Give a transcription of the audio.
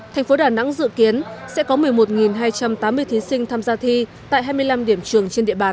thành phố đà nẵng dự kiến sẽ có một mươi một hai trăm tám mươi thí sinh tham gia thi tại hai mươi năm điểm trường trên địa bàn